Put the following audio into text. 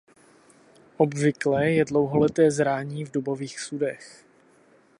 Obvyklé je dlouholeté zrání v dubových sudech.